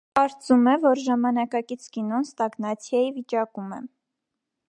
Կարծում է, որ ժամանակակից կինոն ստագնացիայի վիճակում է։